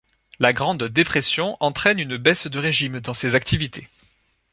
La Grande Dépression entraîne une baisse de régime dans ses activités.